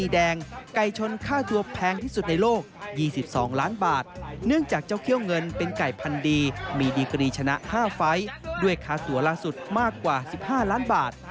ด้วยค้าตัวล่าสุดมากกว่า๑๕ล้านบาท